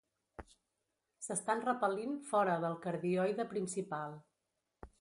S'estan repel·lint fora del cardioide principal.